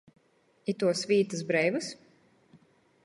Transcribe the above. Ituos vītys breivys?